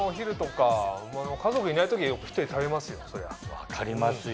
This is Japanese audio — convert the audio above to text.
分かりますよ